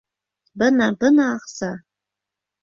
— Бына, бына аҡ-са!